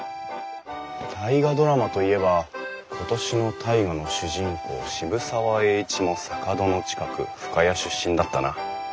「大河ドラマ」と言えば今年の「大河」の主人公渋沢栄一も坂戸の近く深谷出身だったな。